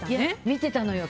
見てたのよ。